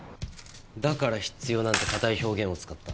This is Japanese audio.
だから「必要」なんてかたい表現を使った。